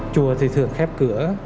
chùa thì thường khép cửa